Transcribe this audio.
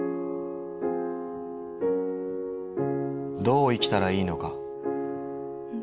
どう生きたらいいのか。